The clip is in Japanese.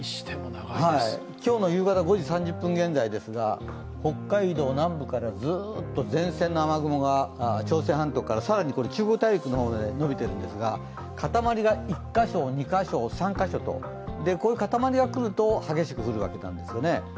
今日の夕方５時３０分現在ですが北海道南部からずーっと前線の雨雲が朝鮮半島から更に中国大陸の方に延びているんですが塊が１カ所、２カ所、３カ所とこういう塊が来ると激しく降るわけなんですね。